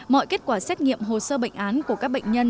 mọi kết quả xét nghiệm hồ sơ bệnh án của các bệnh nhân